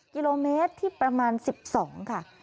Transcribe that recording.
กิโลเมตรที่ประมาณ๑๒ค่ะ